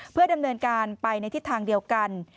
เพื่อดำเนินการไปในทิศทางเดียวกัน